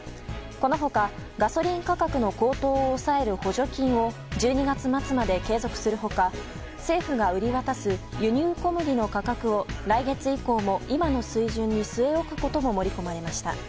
この他、ガソリン価格の高騰を抑える補助金を１２月末まで継続する他政府が売り渡す輸入小麦の価格を来月以降今の水準に据え置くことも盛り込まれました。